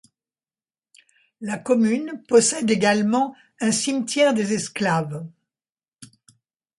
La commune possède également un cimetière des Esclaves.